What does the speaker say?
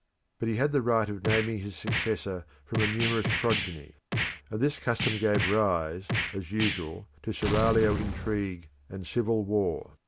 But he had the right of naming his successor from a numerous progeny, and this custom gave rise, as usual, to seraglio intrigue and civil war.